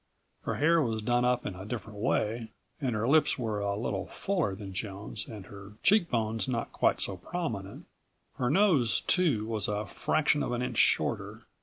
Her hair was done up in a different way, and her lips were a little fuller than Joan's and her cheekbones not quite so prominent. Her nose, too, was a fraction of an inch shorter.